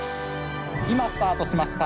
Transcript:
今スタートしました！